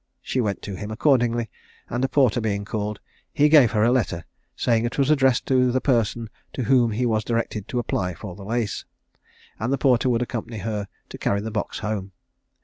She went to him accordingly, and a porter being called, he gave her a letter, saying it was addressed to the person to whom he was directed to apply for the lace, and the porter would accompany her to carry the box home.